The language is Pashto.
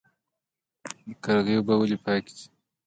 قرغې اوبه ولې پاکې دي؟